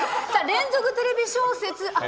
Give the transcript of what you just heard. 連続テレビ小説。